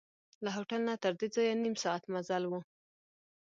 له هوټل نه تردې ځایه نیم ساعت مزل و.